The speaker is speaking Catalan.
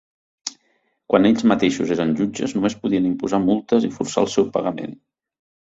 Quan ells mateixos eren jutges només podien imposar multes i forçar el seu pagament.